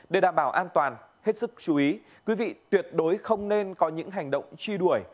để đảm bảo an toàn hết sức chú ý quý vị tuyệt đối không nên có những hành động truy đuổi